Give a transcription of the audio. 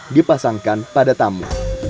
dipasangkan pada tamu